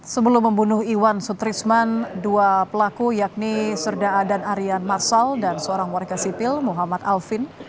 sebelum membunuh iwan sutrisman dua pelaku yakni serda dan arian marsal dan seorang warga sipil muhammad alvin